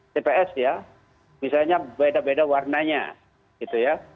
tps ya misalnya beda beda warnanya gitu ya